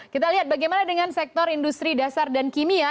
kita lihat bagaimana dengan sektor industri dasar dan kimia